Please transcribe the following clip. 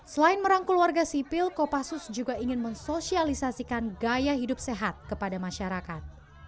selain merangkul warga sipil kopassus juga ingin mensosialisasikan gaya hidup sehat kepada masyarakat